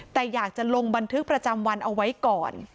แต่อยากจะลงบันทึกประจำวันเอาไว้ก่อน